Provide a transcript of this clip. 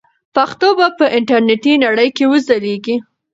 پښتو به په انټرنیټي نړۍ کې وځلیږي.